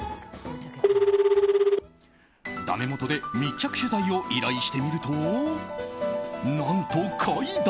だめもとで密着取材を依頼してみると何と快諾！